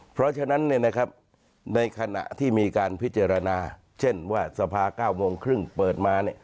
เพราะฉะนั้นในขณะที่มีการพิจารณาเช่นว่าสภา๙โมงครึ่งเปิดมา